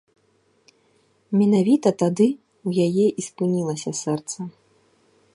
Менавіта тады ў яе і спынілася сэрца.